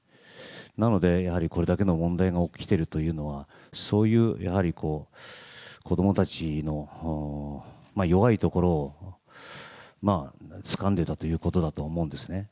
なので、やはりこれだけの問題が起きているというのはそういう子供たちの弱いところをつかんでいたということだと思うんですね。